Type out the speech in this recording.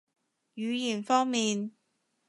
語言方面